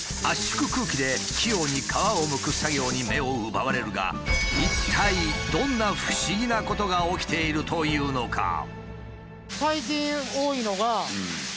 圧縮空気で器用に皮をむく作業に目を奪われるが一体どんな不思議なことが起きているというのか？